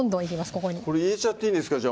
ここにこれ入れちゃっていいんですか？